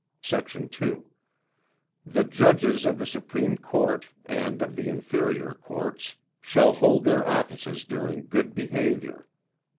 Sect. 2. The Judges of the Supreme Court, and of the Inferior courts, shall hold their offices during good behaviour.